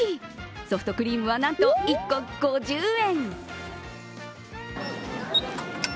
ソフトクリームはなんと１個５０円。